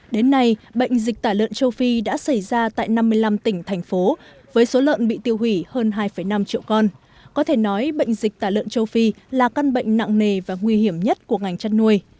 đến nay bệnh dịch tả lợn châu phi đã xảy ra tại năm mươi năm tỉnh thành phố với số lợn bị tiêu hủy hơn hai năm triệu con có thể nói bệnh dịch tả lợn châu phi là căn bệnh nặng nề và nguy hiểm nhất của ngành chăn nuôi